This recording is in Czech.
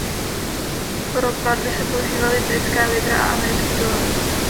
Pro platby se používaly britská libra a americký dolar.